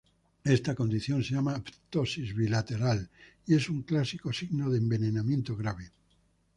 Esta condición se llama ptosis bilateral y es un clásico signo de envenenamiento grave.